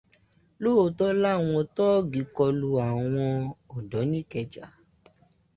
Lóòtọ́ làwọn tọ́ọ̀gì kọlu àwọn ọ̀dọ́ ní ìkẹjà.